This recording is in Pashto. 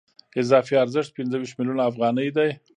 اضافي ارزښت پنځه ویشت میلیونه افغانۍ دی